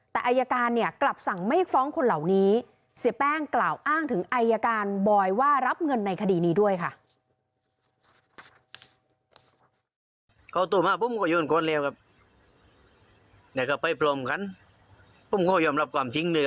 แต่อายการเนี่ยกลับสั่งไม่ฟ้องคนเหล่านี้เสียแป้งกล่าวอ้างถึงอายการบอยว่ารับเงินในคดีนี้ด้วยค่ะ